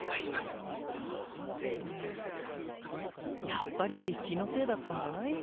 やっぱり気のせいだったんじゃない？